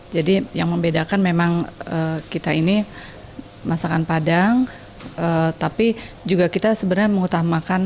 jadi yang membedakan memang kita ini masakan padang tapi juga kita sebenarnya mengutamakan